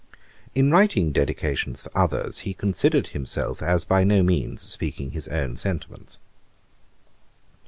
In writing Dedications for others, he considered himself as by no means speaking his own sentiments.